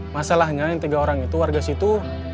masalahnya yang tiga orang itu warga situ